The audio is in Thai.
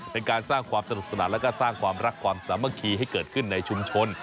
เป็นการสร้างความสนุกสนานแล้วก็สร้างความรักความสามัคคีให้เกิดขึ้นในชุมชน